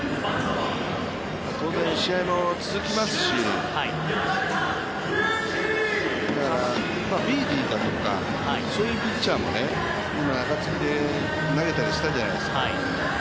当然、試合も続きますし、ビーディとかそういうピッチャーも今中継ぎで投げたりしたじゃないですか。